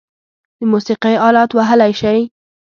د موسیقۍ آلات وهلی شئ؟